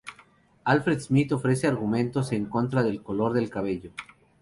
Alfred Smyth ofrece argumentos en contra del color del cabello.